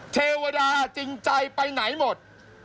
เทวดาจริงใจไปไหนหมด